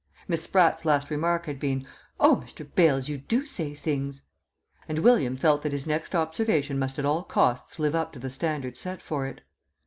Miss Spratt's last remark had been, "Oh, Mr. Bales, you do say things!" and William felt that his next observation must at all costs live up to the standard set for it.